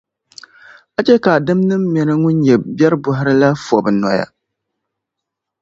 A chɛ ka a dimnim’ mini ŋun nyɛ biɛribɔhira la fo bɛ noya.